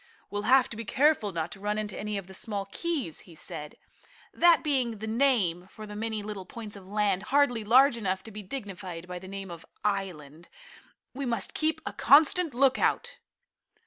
"We'll have to be careful not to run into any of the small keys," he said, that being the name for the many little points of land, hardly large enough to be dignified by the name of island. "We must keep a constant lookout."